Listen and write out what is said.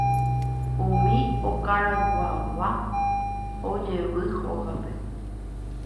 Umi okarayguáva ojevy hógape